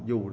dù rất là